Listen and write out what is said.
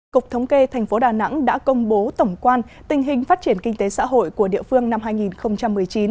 cục thống kê thành phố đà nẵng đã công bố tổng quan tình hình phát triển kinh tế xã hội của địa phương năm hai nghìn một mươi chín